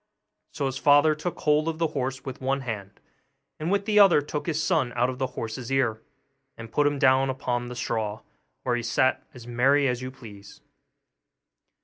So his father took hold of the horse with one hand, and with the other took his son out of the horse's ear, and put him down upon a straw, where he sat as merry as you please.